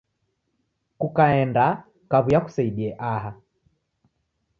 Kukaenda kaw'uya kuseidie aha.